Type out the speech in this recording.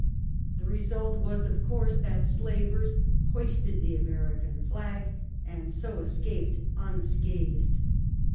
The result was of course that slavers hoisted the American flag, and so escaped unscathed.